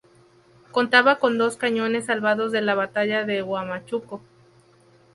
Contaba con dos cañones salvados de la batalla de Huamachuco.